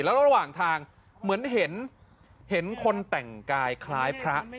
แล้วระหว่างทางเหมือนเห็นคนแต่งกายคล้ายพระ